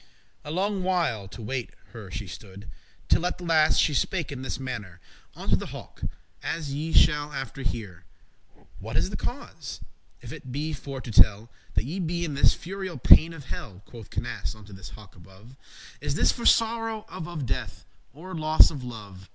A longe while to waite her she stood; Till at the last she apake in this mannere Unto the hawk, as ye shall after hear: "What is the cause, if it be for to tell, That ye be in this furial* pain of hell?" *raging, furious Quoth Canace unto this hawk above; "Is this for sorrow of of death; or loss of love?